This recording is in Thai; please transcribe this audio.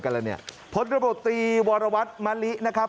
กันแล้วเนี่ยพรตรีวรวัตน์มะลินะครับ